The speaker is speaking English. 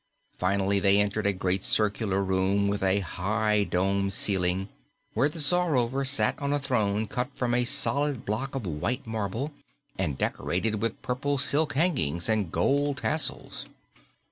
Finally, they entered a great circular room with a high, domed ceiling, where the Czarover sat on a throne cut from a solid block of white marble and decorated with purple silk hangings and gold tassels.